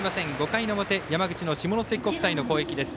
５回の表山口の下関国際の攻撃です。